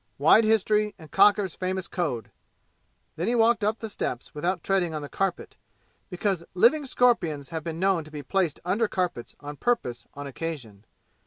Wide history and Cocker's famous code. Then he walked up the steps without treading on the carpet, because living scorpions have been known to be placed under carpets on purpose on occasion.